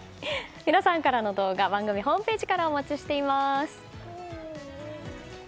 皆さんからの動画番組ホームページからお待ちしています。